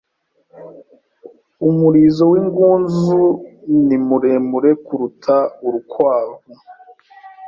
Umurizo w'ingunzu ni muremure kuruta urukwavu.